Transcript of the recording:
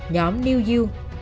nhóm new you